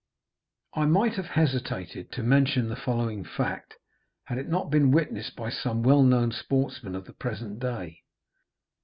I might have hesitated to mention the following fact, had it not been witnessed by some well known sportsmen of the present day.